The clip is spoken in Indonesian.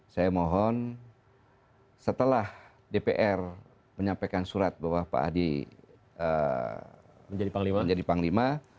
saya mohon setelah dpr menyampaikan surat bahwa pak hadi menjadi panglima